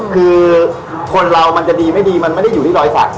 คือคนเรามันจะดีไม่ดีมันไม่ได้อยู่ที่รอยสัก